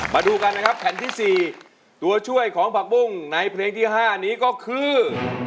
มาดูกันนะครับแผ่นที่๔ตัวช่วยของผักบุ้งในเพลงที่๕นี้ก็คือ